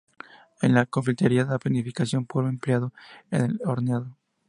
En la confitería, la panificación, polvo empleado en el horneado.